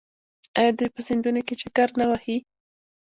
آیا دوی په سیندونو کې چکر نه وهي؟